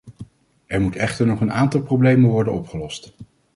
Er moet echter nog een aantal problemen worden opgelost.